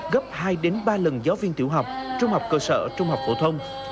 gấp hai ba lần giáo viên tiểu học trung học cơ sở trung học phổ thông